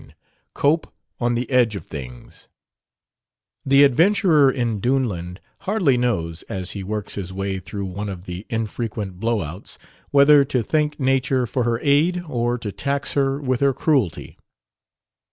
9 COPE ON THE EDGE OF THINGS The adventurer in Duneland hardly knows, as he works his way through one of the infrequent "blow outs," whether to thank Nature for her aid or to tax her with her cruelty.